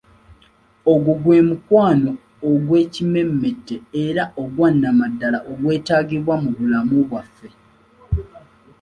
Ogwo gwe mukwano ogwekimmemmette era ogwa Nnamaddala ogwetaagibwa mu bulamu bwaffe.